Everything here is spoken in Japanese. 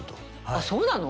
あっそうなの？